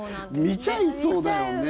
見ちゃいそうだよね。